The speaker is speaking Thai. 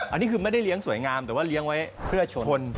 อันนี้คือไม่ได้เลี้ยงสวยงามแต่ว่าเลี้ยงไว้เพื่อชน